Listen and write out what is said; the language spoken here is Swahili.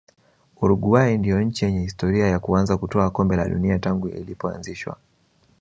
uruguay ndio nchi yenye historia ya kuanza kutwaa kombe la dunia tangu lilipoanzishwa